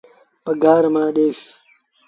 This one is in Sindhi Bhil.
پگھآر مآݩ ڏئيٚس۔